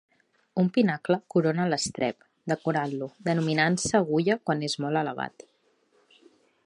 Un pinacle corona l'estrep, decorant-lo, denominant-se agulla quan és molt elevat.